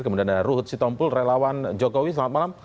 kemudian ada ruhut sitompul relawan jokowi selamat malam